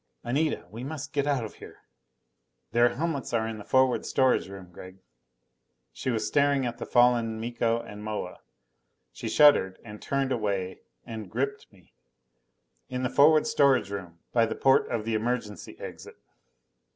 "Anita, we must get out of here!" "Their helmets are in the forward storage room, Gregg." She was staring at the fallen Miko and Moa. She shuddered and turned away and gripped me. "In the forward storage room, by the port of the emergency exit."